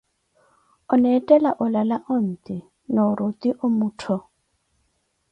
Oneethela olala onti, nooruti omuttho.